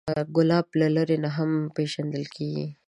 ګلاب له لرې نه هم پیژندل کېږي.